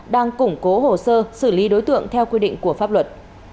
đang củng cố hồ sơ xử lý đối tượng theo quy định của pháp luật